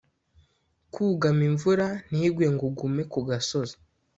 kugama imvura ntigwe ngo ugume ku gasozi